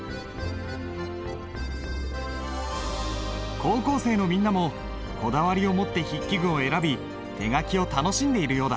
高校生のみんなもこだわりを持って筆記具を選び手書きを楽しんでいるようだ。